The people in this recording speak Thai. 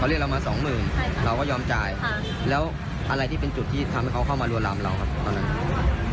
เรียกเรามาสองหมื่นเราก็ยอมจ่ายแล้วอะไรที่เป็นจุดที่ทำให้เขาเข้ามารวนลามเราครับตอนนั้น